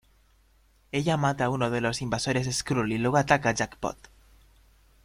Ella mata a uno de los invasores Skrull y luego ataca a Jackpot.